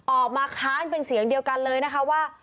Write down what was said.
ออกมาค้านเป็นเสียงเดียวกันเลยว่า